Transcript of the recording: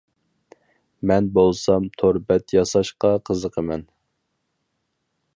مەن بولسام تور بەت ياساشقا قىزىقىمەن.